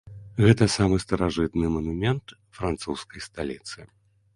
Гэта самы старажытны манумент французскай сталіцы.